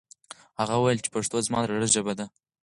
هغه وویل چې پښتو زما د زړه ژبه ده.